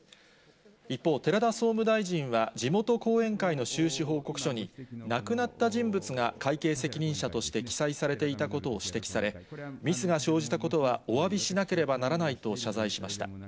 一方、寺田総務大臣は、地元後援会の収支報告書に、亡くなった人物が会計責任者として記載されていたことを指摘され、ミスが生じたことはおわびしなければならないと謝罪しました。